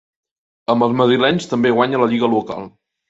Amb els madrilenys també guanya la lliga local.